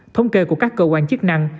thống kê của các cơ quan chức năng